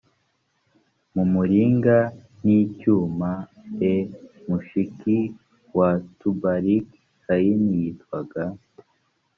mu muringa n icyuma e mushiki wa tubali kayini yitwaga